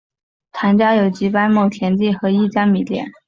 谭家有几百亩田地和一家米店。